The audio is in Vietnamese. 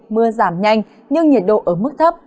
mưa giảm nhanh nhưng nhiệt độ ở mức thấp